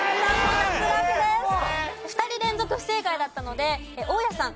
２人連続不正解だったので大家さん